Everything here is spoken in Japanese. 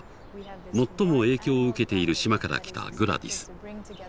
最も影響を受けている島から来たグラディス。